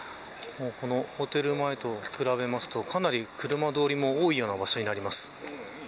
ホテル前と比べますとかなり車通りも多い場所になります。